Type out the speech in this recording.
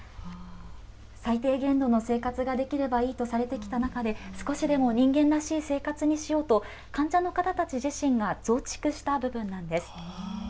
最低限度の生活ができればいいとされてきた中で、少しでも人間らしい生活にしようと、患者の方たち自身が増築した部分なんです。